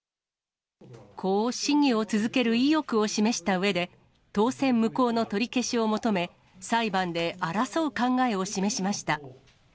こう市議を続ける意欲を示したうえで、当選無効の取り消しを求め、裁判で争う考えを示しました。